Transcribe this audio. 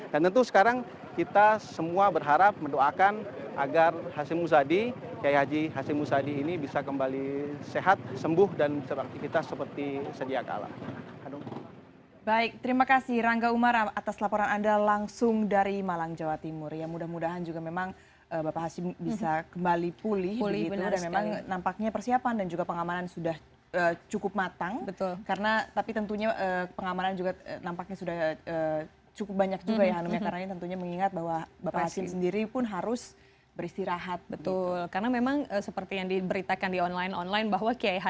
dan tentu sekarang kita semua berharap mendoakan agar hashim musadi kehaji hashim musadi ini bisa kembali sehat sembuh dan seperti kita seperti sedia kalah